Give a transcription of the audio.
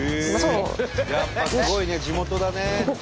やっぱすごいね地元だね。